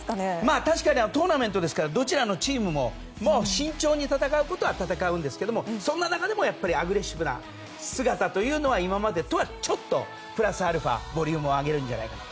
確かにトーナメントなのでどちらのチームも慎重に戦うことは戦うんですけどそんな中でもアグレッシブな姿というのは、今までよりボリュームを上げるんじゃないかなと。